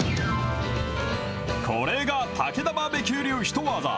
これが、たけだバーベキュー流ヒトワザ。